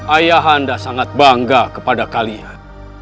ayah anda sangat bangga kepada kalian